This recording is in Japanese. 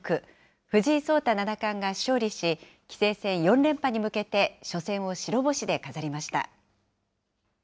藤井聡太七冠が勝利し、棋聖戦４連覇に向けて初戦を白星で飾りま